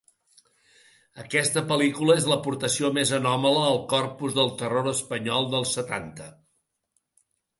Aquesta pel·lícula és l'aportació més anòmala al corpus del terror espanyol dels setanta.